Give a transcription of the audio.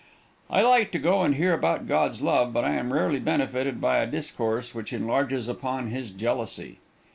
I like to go and hear about God's love, but I am rarely benefited by a discourse which enlarges upon his jealousy.